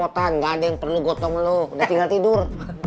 gak ada yang kerempet gak ada yang perlu gotong lo udah tinggal tidur